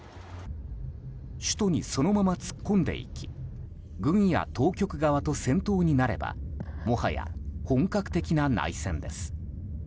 首都にそのまま突っ込んでいき軍や当局側と戦闘になればもはや本格的な内戦です。